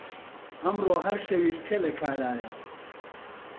ئەمڕۆ هەر شەویلکە لە کارایە